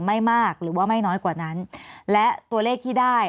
ไม่มากหรือว่าไม่น้อยกว่านั้นและตัวเลขที่ได้